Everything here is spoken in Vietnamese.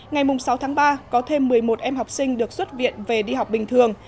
ngày sáu tháng ba có thêm một mươi một em học sinh được xuất viện về đi học bình thường